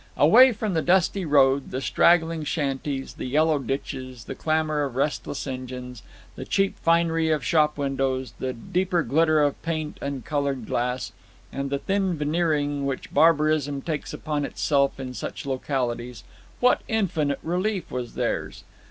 Away from the dusty road, the straggling shanties, the yellow ditches, the clamor of restless engines, the cheap finery of shop windows, the deeper glitter of paint and colored glass, and the thin veneering which barbarism takes upon itself in such localities what infinite relief was theirs!